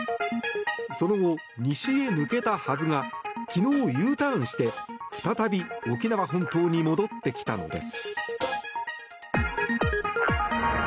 その後、西へ抜けたはずが昨日Ｕターンして再び沖縄本島に戻ってきたのです。